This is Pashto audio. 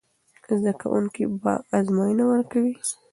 زده کوونکي به ازموینه ورکوي.